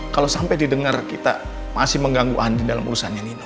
kalau sampai didengar kita masih mengganggu andi dalam urusannya nino